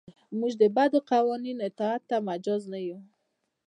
موږ د بدو قوانینو اطاعت ته مجاز نه یو.